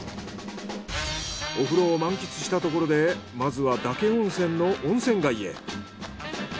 お風呂を満喫したところでまずは岳温泉の温泉街へ。